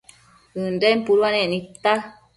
ënden puduanec nidta